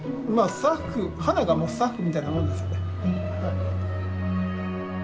スタッフ花がもうスタッフみたいなもんですよね。